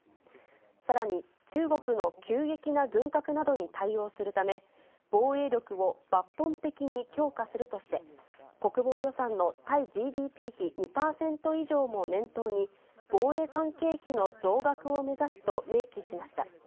さらに中国の急激な軍拡などに対応するため、防衛力を抜本的に強化するとして、国防予算の対ＧＤＰ比２％以上も念頭に、防衛関係費の増額を目指すと明記しました。